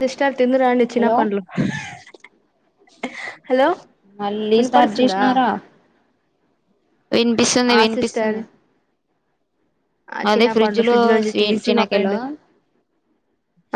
Sister తిందురండి చిన hello పండ్లు హలో మళ్ళీ స్టార్ట్ విన్పడుస్తుందా చేసినారా వినిపిస్తుంది సిస్టర్ వినిపిస్తుంది ఆ అదే చిన్న పండు ఫ్రిడ్జ్ లో స్వీ తీసి మా చినకెలో ఫ్రెండు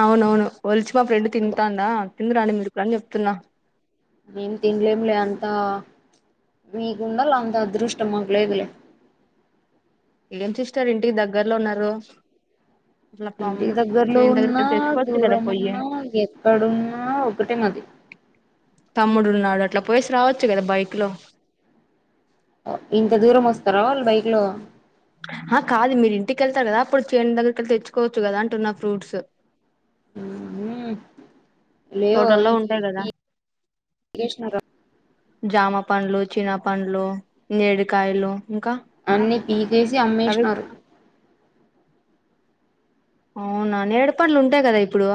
అవునవును వలిచి మా ఫ్రెండ్ తింటాందా తిందు రండి మీరు కాని చెప్తున్నా నేం తినలేం అంతా మీ ఉండల్ల అంత అదృష్టం ట్టము లేదులే ఏం సిస్టర్ ఇంటికి దగ్గర్లో ఉన్నారు అట్లా పం ఇంటి దగ్గర్లో చేను ఉన్నా దగ్గరికెళ్ళి తెచ్చుకోవచ్చు కదా దూరం పొయ్యి ఉన్నా ఎక్కడున్నా ఒకటే మది తమ్ముడు ఉన్నాడు అట్లా పోయేసి రావచ్చు కదా బైక్ లో ఇంత దూరం వస్తరా వాళ్ళు బైక్ లో ఆ కాదు మీరు ఇంటికి వెళ్తారు కదా అప్పుడు చేండల్ కి వెళ్తే తెచ్చుకోవచ్చు కదా అంటున్న ఫ్రూట్స్ ఉహు లేవు తోటల్లో అవును ఉంటాయి కదా తీసినరా జామ పండ్లు చిన పండ్లు నేడికాయలు ఇంకా అన్ని పీకేసి అమ్మేసినారు అవి అవునా నేడిపండ్లు ఉంటాయి కదా ఇప్పుడు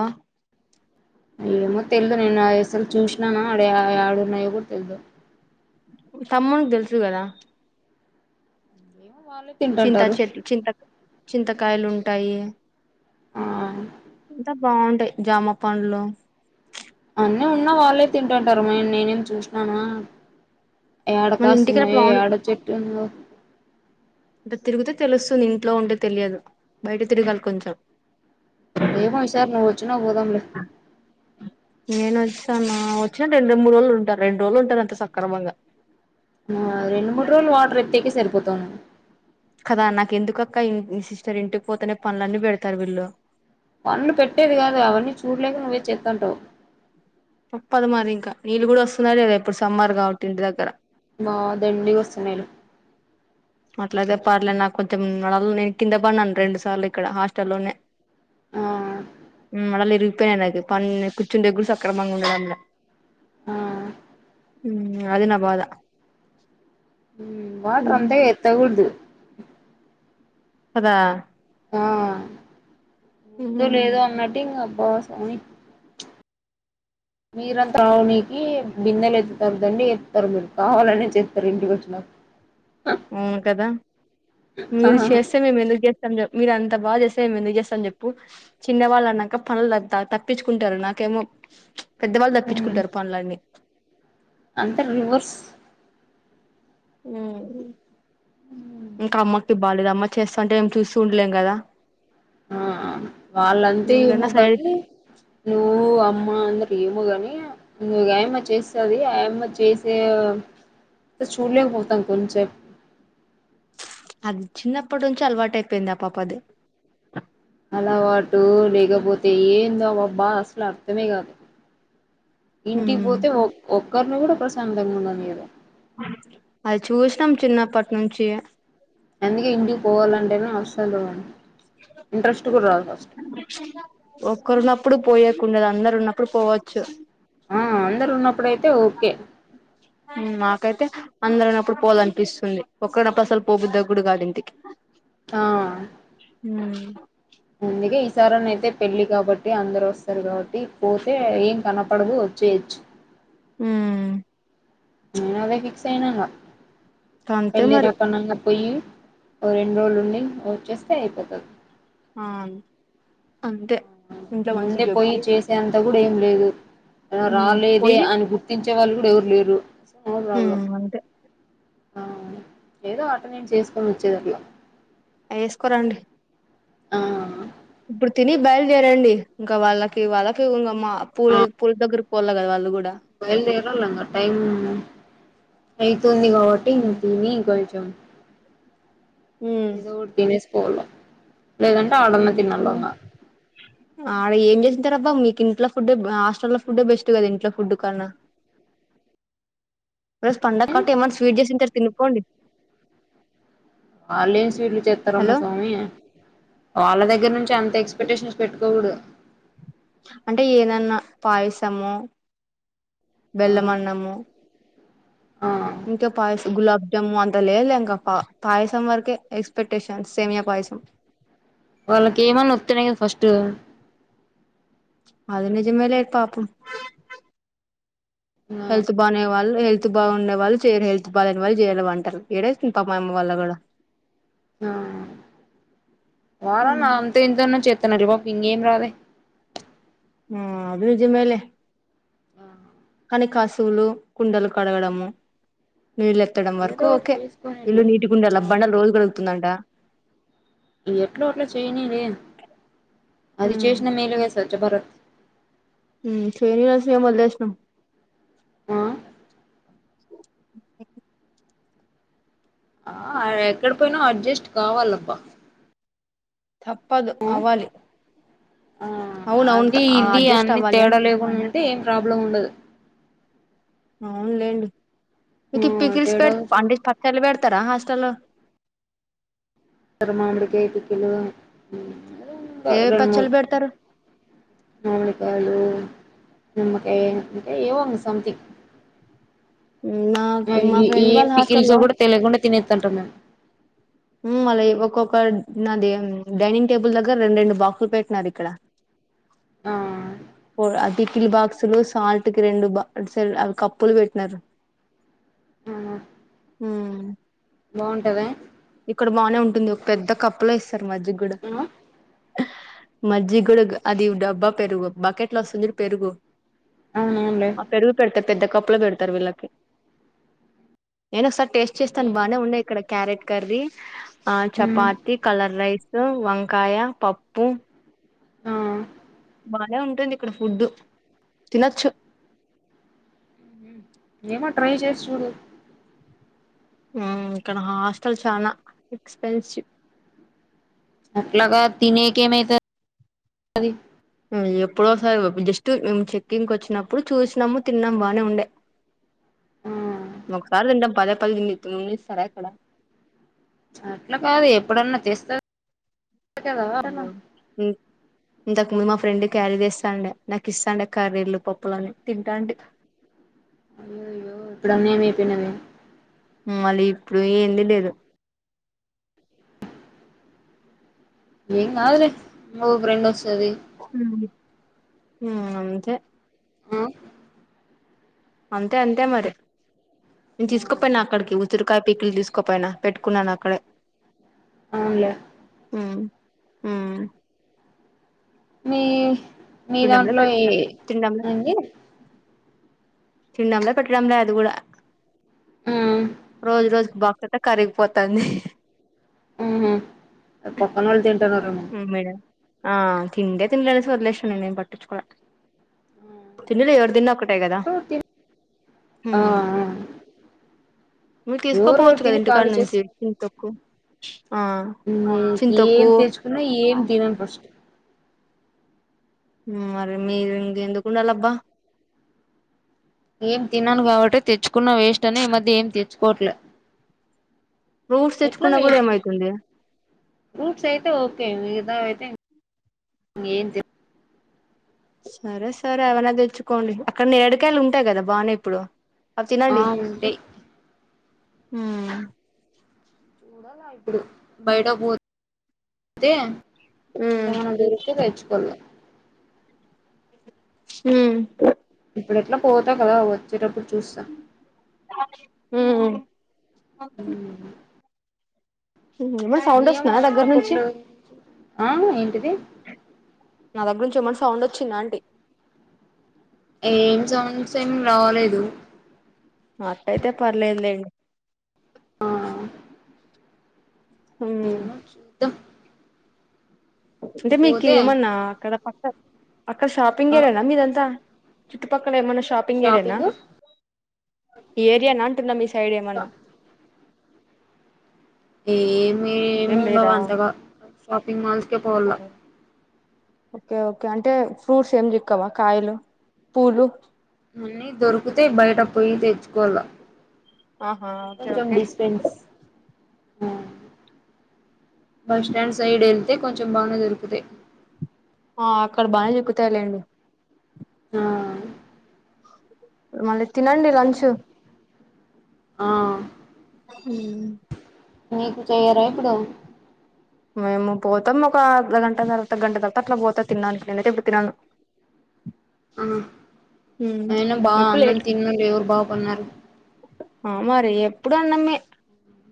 య్యేమో తెలిదు నేను అసలు చూసినానా ఆడ ఆడున్నాయో కూడా తెలిదు తమ్మున్ కి తెలుసు కదా ఏమో వాళ్ళే చింత తింటుంటారు చే చింత చింత కాయలు ఉంటాయి ఆ బావుంటాయి జామా పండ్లో అన్నీ ఉన్నా వాళ్ళే తింటుంటారు మే నేనేం చూసినాన ఎడ మన ఇంటికడ కాసున్నాయొ ఎడ చెట్టుందో టే తిరిగితే తెలుస్తుంది. ఇంట్లో ఉంటే తెలియదు బయట తిరగాలి కొంచెం ఏమో ఇ సార్ నువ్ వచ్చునాక పోదాంలే తను వచ్చిన రెండు మూడు రోజులు ఉంటారు రెండు రోజులు ఉంటారు అంతే సక్రమంగా మ రెండు మూడు రోజులు వాటర్ ఎత్తే కె సరిపోతాన కదా నాకు ఎందుకక్క ఇ సిస్టర్ ఇంటికి పోతేనే పనులన్నీ పెడతారు వీళ్ళు పంలు పెట్టేది కాదు అవన్నీ చూడలేక నువ్వే చేస్తుాంటావు. తప్పదు మరి ఇంకా నీళ్ళు కూడా వస్తున్నారు లేదా ఇప్పుడు సమ్మర్ కాబట్టి ఇంటి దగ్గర మా దండిగి వస్తున్నాయిలే అట్లాతే పడలేను నాకు కొంచెం న నేను కింద పడినాను రెండు సార్లు ఇక్కడ హాస్టల్లోనే ఆ మలలెరు పోయినగ పన్న కుచ్చుండేగా గూడా సక్రమంగా ఉండదన్న ఆ హ అది నా బాధ వాటర్ అంత ఎత్త కూడదు. అదా ఆ ఎందు లేదు అన్నట్టు ఇంగా ఉపవాసం అని మీరంతా రావనికి బిందెలు ఎత్తోదండి ఎత్తరు మీరు కావాలని చెస్తారు ఇంటికి వచ్చిన అవును కదా మీరు చేస్తే మేము ఎందుకు చేస్తాం చెప్ మీరు అంద అంత బా చేస్తే మేం ఎందుకు చేస్తాన్ చెప్పు చిన్న వాళ్ళు అన్నాక పనులంతా తప్పించుకుంటారు నాకేమో పెద్దవాళ్ళు తప్పించుకుంటారు పనులన్ని అంత రివర్స్ మ్ కమ్మక్ తు బళ్ళదమ్మ చేస్తంటే ఏం చూస్త ఉండలేం కదా ఆ అ వాళ్ళంతే ఏమో ఇంకన్నా సైడ్ కానీ నువ్ అమ్మ అందరు ఏమోగానీ నువ గాయమ్మ చేస్తది ఆయమ్మ చేసే చూడలేక పోతాం కొంచెపు అది చిన్నప్పటి నుంచి అలవాటు అయిపోయింది ఆ పాప ది అలవాటు లేకపోతే ఏందో అబబ్బా అసలు అర్థమే కాదు. ఇంటికి పోతే ఒ ఒక్కరిని కూడా ప్రశాంతంగా ఉండదు మీదో అది చూసినాం చిన్నప్పటి నుంచి అందుకే ఇంటికి పోవాలంటేనే మె అస్సలు పోను ఇంట్రెస్ట్ గూడా రాదు ఫస్ట్ అప్పుడు పోయేకుండదు అందరు ఉన్నప్పుడు పోవచ్చు. ఆ అందరు ఉన్నప్పుడుయితే ఓకే మాకైతే అందరనప్పుడు పోలనిపిస్తుంది ఒకరినప్పుడు అసలు పోపుద్దగ్గుడు కాదు ఇంటికి ఆ అందుకే ఈసారిన్న అయితే పెళ్ళి కాబట్టి అందరు వస్తారు. కాబట్టి పోతే ఏం కనపడవు. చేచ్ మ్ ప్చ్ నేను అదే ఫిక్స్ అయినాను అంతే పెళ్ళి మరి నాకనంగా పోయి ఓ రెండు రోజులుండి వచ్చేస్తే అయిపోతది. ఆ అంతె ఇంత మంచి జెప్పి అంత కూడ ఏం లేదు అల రాలేదే పోయి అని గుర్తించే వాళ్ళు కూడ ఎవరు లేరు ఏం ప్రాబ్లం ఉమ్ అంతే ఆ ఏదో ఆట నేను చేసుకొని వచ్చేదట్ల ఏస్కోరండి ఆ ఇప్పుడు తిని బయలుదేరండి ఇంక వాళ్ళకి వాళ్ళకి ఇ మా పూలల పూల దగ్గర పోవాల కద వాళ్ళు కూడ బయల్దేరాల ఇంగ టైమ్ అయితుంది కాబట్టి న ఉమ్ తిని తినడం ఇగ ఉమ్ ఉమ్ నేను కూడ తినేసి పోవాల లేదంటే ఆడన్నా తినాల ఉహు అడ ఏం చెస్ ఇంతే రబ్బ మీకు ఇంట్లో ఫుడ్డే హాస్టల్ల ఫుడ్డే బెస్ట్ కద ఇంట్లో ఫుడ్ కన్న ఫ్రెండ్స్ పండగ ఇంగ కాబట్టి ఏమన్నా స్వీట్ చేసుంటరు తినుపోండి వాళ్ళు ఏమి స్వీట్లు చెత్తరమ్మ స్వామి వాళ్ళ దగ్గర నుంచి అంత ఎక్స్పెక్టేషన్స్ పెట్టుకు కోడు అంటె ఏదన్న పాయసము బెల్లమన్నము ఆ ఇంక పాయసం గులాబ్ జాము అంత లేదు లె ఇంక పా పాయసం వరకే ఎక్స్పెక్టేషన్ సేమియ పాయసం వాళ్ళకి ఏమన్న ఒత్తనే గద ఫస్ట్ అది నిజమేలే పాపం హెల్త్ బానే వాళ్ళు హెల్త్ బాగుండే వాళ్ళు చేయరు హెల్త్ బాగాలేని వాళ్ళు చేయాల వంటలు ఏడేస్తుంది పాపం ఆ మా వాళ్ల కాడ ఆ వాళ్ల నాన్నతో ఇంతన్న చెప్ ఇత్తన డివాక్ ఇంకేం రాలే [unintelligible] ఆ అది నిజమేలే ఆ కాని కశువులు కుండలు కడగడము నీళ్ళు ఎత్తడం ఏదో వరకు ఒకటి ఓకే చేసుకొని ఇళ్లు ఇట్లా నీటి గుండ ల ఆ బండల్ రోజు కడుగుతుందంట ఎట్లో అట్ల చేయనిలే అది ఉమ్ చేసిన మేలు గ స్వచ్ఛ భారత్ ఉమ్ చేయని వసినమ్ వదిలేశినం [inaudible] ఆ ఆ ఎక్కడ పోయిన అడ్జస్ట్ కావాలబ్బ తప్పదు అవ్వాలి ఆ అవును అవును అది ఇది అడ్జస్ట్ అన్ని అవ్వాలి తేడ అంటు లేకుండ ఉంటె ఏం ప్రాబ్లం ఉండదు అవునులేండి ఆ మీకు పికిల్స్ తేడా పెడ్త్ అంటె చూస్తారు పచ్చళ్ళ పెడ్త్ తర హాస్టల్ ల్లో తరు మామిడి కాయ పికిల్ లో ఆ ఏ రెండు మూడు పచ్చళ్ళు పెడతారు మామిడికాయలు నిమ్మకాయ ఏది ఇంక ఏవన్న సమథింగ్ ఆ నాకు మా ఈ ఫ్రెండ్ వాళ్ళ పికిల్స్ హాస్టల్లో కూడ తెలియకుండ తినేత్తా ఉంటాం మేమ్ ఉమ్మ్ మళ్ళీ ఒక్కొక్క నాది డైనింగ్ టేబుల్ దగ్గర రెండు రెండు బాక్సులు పెట్టినారు ఇక్కడ ఆ పో అది కిల్ బాక్సులు సాల్ట్ కి రెండు బ కప్పులు పెట్టినారు ఉహు ఉమ్మ్ బాగుంటవా ఇక్కడ బానే ఉంటుంది ఒక పెద్ద కప్పులో ఇస్తారు మజ్జిగ కూడా ఆ మజ్జిగ కూడా అది డబ్బా పెరుగు బకెట్లు వస్తుంది చూడు పెరుగు అవునవునులే ఆ పెరుగు పెడితే పెద్ద కప్పులో పెడతారు వీళ్ళకి నేను ఒకసారి టేస్ట్ చేస్తాను బాగానే ఉన్నాయి ఇక్కడ క్యారెట్ కర్రీ ఆ ఉమ్ చపాతి కలర్ రైస్ వంకాయ పప్పు హా బానే ఉంటుంది ఇక్కడ ఫుడ్ తినొచ్చు ఏమో ట్రై చేసి చూడు ఇక్కడ హాస్టల్ చాలా ఎక్స్పెన్సివ్ అట్లా కాదు తిననీకి ఏమైతది ఎప్పుడోసారి జస్ట్ మేము చెకింగ్కి వచ్చినప్పుడు చూసినాము తిన్నాము బాగానే ఉండే ఆ ఒకసారి తింటాం పదే పదిస్తారే తిననిస్తారా అక్కడ అట్లా కాదు ఎప్పుడన్నా జస్ట్ హమ్ ఇంతకు ముందు మా ఫ్రెండ్ క్యారీ చేస్తాండే నాకు ఇస్తాండే కర్రీలు పప్పులుని తింటా అంటే హమ్ హమ్ ఇప్పుడు అన్యాయం అయిపోయినమే మళీ ఇప్పుడు ఏంది లేదు ఏం కాదులే ఇంకొక రెండు హమ్ అంతే హమ్ అంతే అంతే మరి నేను తీసుకోపోయినా అక్కడికి చిరకాయ పీకులు తీసుకోపోయినా పెట్టుకున్నాను అక్కడే అవులే హమ్ మీ మీ దాంట్లో ఏ ఏంది తినడాలే పెట్టడంలే అది కూడా ఆ రోజు రోజుకు బా మొత్తం కరిగిపోతంది ఆ పక్కన వాళ్ళు తింటున్నరేమో హ తింటే తినని తిననీలే వదిలేసిన నేనేం పట్టించుకోవట్లే తినుడే ఎవరూ తిన్న ఒకటే ఎవరో కదా ఒకరు తిని ఆ హమ్ ఆ నువ్వు ఎవరెవరు తీసుకోపోవచ్చు కదా తిని ఇంటికాడ ఖాళీ నుంచి చేస్తారు ఫుడ్ ఏం తెచ్చుకున్నా ఏం తినడు ఫస్ట్ హాహామ్ మీరు ఇంకా ఎందుకుండాలిబ్బా ఏం తిన్నాను కాబట్టి తెచ్చుకున్న వేస్ట్ అని ఈ మధ్య ఏం తెచ్చుకోవట్లే ఫ్రూట్స్ ఎట్లా తెచ్చుకున్నా కూడా వేస్ట్ ఏమైతుంది ఫ్రూట్స్ అయితే ఓకే మీ అయితే ఏం చెప్పు సరే సరే అవైనా తెచ్చుకోండి అక్కడ ఏడుకాయలు ఉంటాయి కదా బాగానే ఇప్పుడు అవి ఆ తినండి ఉంటాయి హ చూడాలా ఇప్పుడు బయట పో అయితే ఉమ్ ఎమన దూరుతే కాచుకలే హ ఇప్పుడు ఎట్లా పోతా కదా వచ్చేటప్పుడు చూస్తా హ హ ఏమన్నా సౌండ్ ఏమో వస్తుందా దగ్గర నుంచి అంటపూర్లు ఆ ఏంటిది నా దగ్గర నుంచి ఏమన్నా సౌండ్ వచ్చిందా అంటీ? ఏం సౌండ్స్ ఏం రావాలేదు అట్టయితే పర్లేదులేండి ఆ ఉమ్ ఏమో చూద్దాం అంటే మీకు పోతే ఏమన్నా అక్కడ పక్క అక్కడ షాపింగ్ ఆ ఏరియానా మీదంతా చుట్టుపక్కల ఏమైన్నా షాపింగ్ ఏరియానా? ఈ ఏరియానాంటున్నా మీ సైడ్ ఏమన్నా ఏమిమి ఏం ఉండవు లేదా అంత గా షాపింగ్ మాల్స్కే పోవల్ల ఓకే ఓకే అంటే ఫ్రూట్స్ ఏం చిక్కవా కాయలు, పూలు అన్నీ దొరికితయ్ బయట పోయి తెచ్చుకోల ఆహా ఓకే కొంచెం ఓకే డిస్టన్స్ అ బస్ స్టాండ్ సైడ్ వెళ్తే కొంచెం బానే దొరుకుతాయ్ ఆ అక్కడ బానే ఎక్కుతాయ్ లేండి ఆ మళ్ళీ తినండి లంచ్ ఆ మ్ నీకు చెయరా ఇప్పుడు మేము పోతాం ఒక అర్ధగంట తర్వాత, గంట తర్వాత అట్లా పోతా తిన్నాడానికి నేను అయితే ఇప్పుడు తినను. ఆ అయిన బా ఎప్పుడు అన్నం లేట్ తిన్నందే ఎవరు బాగు పడినారు. ఆమ మరి ఎప్పుడన్నమే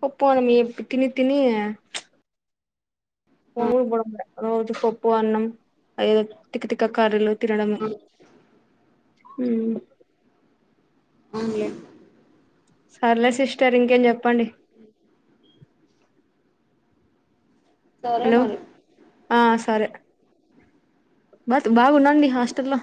ఒప్పు నమి ఎప్పు తిని తిని మాములు బొడప్ప దే రోజు పప్పు అన్నం అదెదో తిక్కతిక్క కర్రీలు తినడము ఉమ్ అవునులే సర్లే సిస్టర్ ఇంకేం చెప్పండి? సరే హలో మరి ఆ సరే బట్ బావున్నాండి హాస్టల్లో